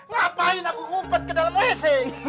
ngapain aku ngumpet ke dalam wc